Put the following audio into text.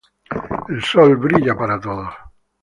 El sol brilla para todos.